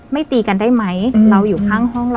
ไม่ตีกันได้ไหมเราอยู่ข้างห้อง